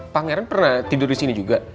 pangeran pernah tidur di sini juga